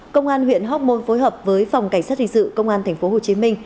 công an huyện hoc mon phối hợp với phòng cảnh sát hình sự công an tp hcm